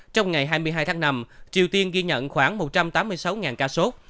trong ngày hai mươi hai tháng năm triều tiên ghi nhận khoảng một trăm tám mươi sáu ca sốt